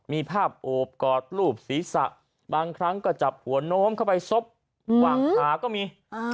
มีภาพโอบกอดรูปศีรษะบางครั้งก็จับหัวโน้มเข้าไปซบกวางขาก็มี